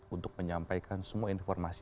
untuk menyampaikan semua informasi